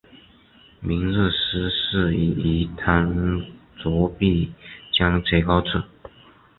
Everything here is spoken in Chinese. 明日书数语于堂侧壁间绝高处。